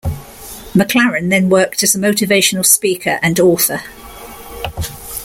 MacLaren then worked as a motivational speaker and author.